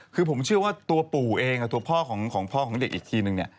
คือผมเชื่อว่าตัวปู่เองกับตัวพ่อของพ่อของเด็กอีกทีนึงเนี่ย